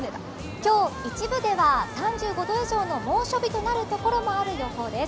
今日、一部では３５度以上の猛暑日となるところもある予報です。